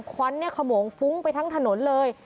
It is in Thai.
ควันขโมงฟุ้งไปทั้งถนนเลย